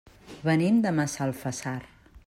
Venim de Massalfassar.